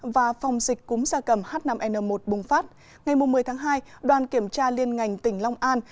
và phòng dịch cúm da cầm h năm n một bùng phát ngày một mươi tháng hai đoàn kiểm tra liên ngành tỉnh long an